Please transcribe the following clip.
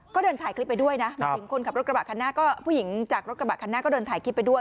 ก็เดินถ่ายคลิปไปด้วยนะผู้หญิงจากรถกระบะคันหน้าก็เดินถ่ายคลิปไปด้วย